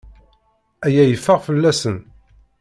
Aya yeffeɣ fell-asen.